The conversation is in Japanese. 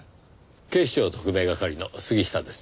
警視庁特命係の杉下です。